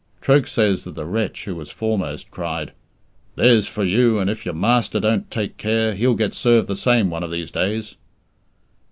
Troke says that the wretch who was foremost cried, "There's for you; and if your master don't take care, he'll get served the same one of these days!"